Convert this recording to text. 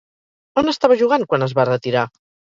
On estava jugant quan es va retirar?